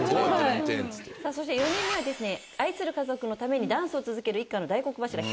さあそして４人目はですね愛する家族のためにダンスを続ける一家の大黒柱。